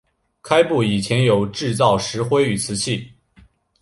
开埠以前有制造石灰与瓷器。